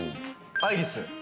アイリス。